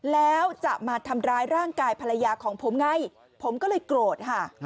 แล้วจะมาทำร้ายร่างกายภรรยาของผมไงผมก็เลยโกรธค่ะ